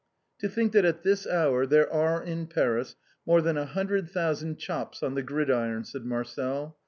" To think that at this hour there are in Paris more than a hundred thousand chops on the gridiron," said Marcel.